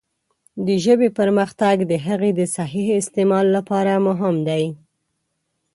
د ژبې پرمختګ د هغې د صحیح استعمال لپاره مهم دی.